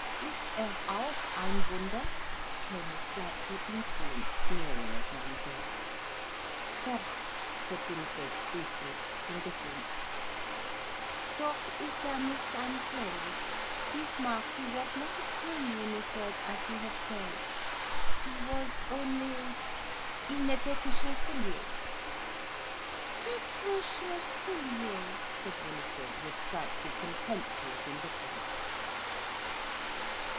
"Ist er auch ein Wunder?" came the slightly insolent sneering of Mademoiselle. "Doch!" said Winifred briefly, indifferent. "Doch ist er nicht ein König. Beesmarck, he was not a king, Winifred, as you have said. He was only—il n'était que chancelier." "Qu'est ce qu'un chancelier?" said Winifred, with slightly contemptuous indifference.